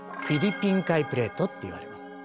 フィリピン海プレートっていわれます。